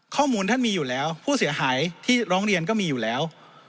ข้อมูลท่านมีอยู่แล้วผู้เสียหายที่ร้องเรียนก็มีอยู่แล้ว